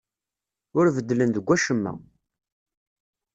Ur beddlen deg wacemma.